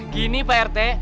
gini pak rt